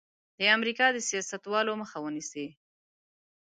د امریکا د سیاستوالو مخه ونیسي.